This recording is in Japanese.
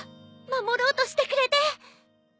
守ろうとしてくれて！